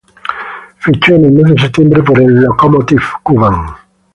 Fichó en el mes de septiembre por el Lokomotiv Kuban.